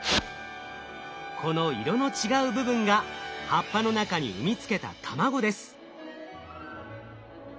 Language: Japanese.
この色の違う部分が葉っぱの中に産み付けた卵です。